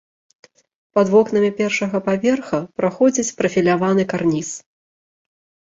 Пад вокнамі першага паверха праходзіць прафіляваны карніз.